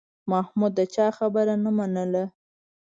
محمود د چا خبره نه منله